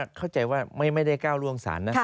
เข้าใจว่าไม่ได้ก้าวล่วงศาลนะ